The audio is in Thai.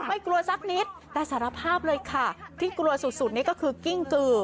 ไม่กลัวสักนิดแต่สารภาพเลยค่ะที่กลัวสุดสุดนี่ก็คือกิ้งกือ